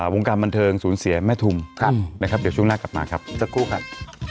วงการบันเทิงศูนย์เสียแม่ทุมนะครับเดี๋ยวช่วงหน้ากลับมาครับสักครู่ครับ